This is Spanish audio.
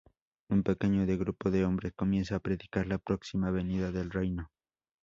Un pequeño grupo de hombres comienza a predicar la próxima venida del Reino.